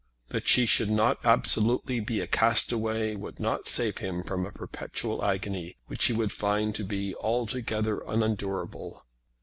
That she should not absolutely be a castaway would not save him from a perpetual agony which he would find to be altogether unendurable.